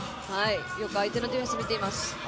よく相手のディフェンス見ています。